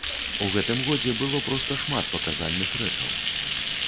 І ў гэтым годзе было проста шмат паказальных рэчаў.